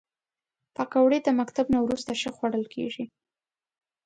پکورې د مکتب نه وروسته ښه خوړل کېږي